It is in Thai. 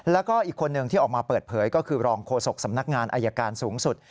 แล้วก็อีกคนนึงที่ออกมาเปิดเผยก็คือรองโฆษกสำนักงานอายการสูงสุด